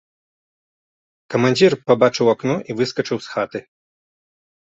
Камандзір пабачыў у акно і выскачыў з хаты.